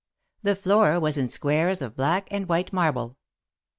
The floor was in squares of black and white marble.